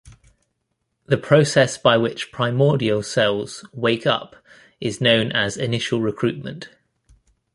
The process by which primordial cells 'wake up' is known as initial recruitment.